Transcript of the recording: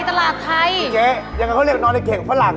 อย่างไรเขาเรียกนอนในเคกฝรั่ง